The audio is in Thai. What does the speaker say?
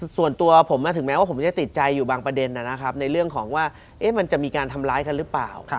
ส่วนตัวผมถึงแม้ว่าผมจะติดใจอยู่บางประเด็นนะครับในเรื่องของว่ามันจะมีการทำร้ายกันหรือเปล่า